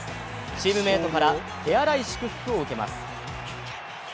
チームメートからは手洗い祝福を受けます。